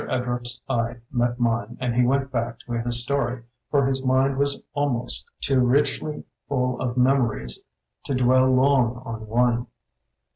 Ed rupt's eye met mine and he went back to his story, for his mind was almost too richly full of memories to dwell long on one.